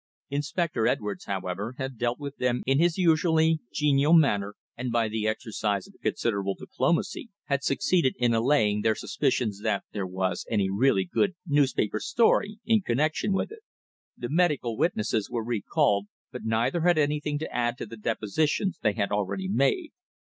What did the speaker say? Inspector Edwards, however, had dealt with them in his usually genial manner, and by the exercise of considerable diplomacy had succeeded in allaying their suspicions that there was any really good newspaper "story" in connection with it. The medical witnesses were recalled, but neither had anything to add to the depositions they had already made.